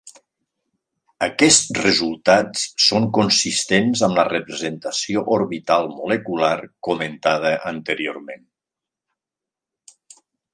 Aquests resultats són consistents amb la representació orbital molecular comentada anteriorment.